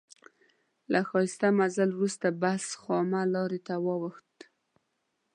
له ښایسته مزل وروسته بس خامه لارې ته واوښت.